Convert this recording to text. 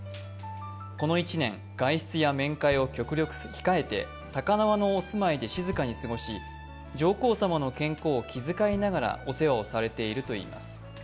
この１年、外出や面会を極力控えて高輪のお住まいで静かに過ごし、上皇さまの健康を気遣いながらお世話をされているといいます。